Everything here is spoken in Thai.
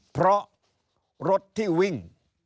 เพราะรถที่วิ่ง